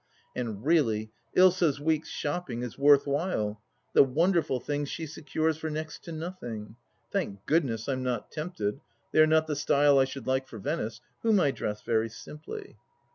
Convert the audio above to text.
And really Ilsa's week's shopping is worth while — the wonderful things she secures for next to nothing. Thank Goodness I'm not tempted ; they are not the style I should like for Venice, whom I dress very simply.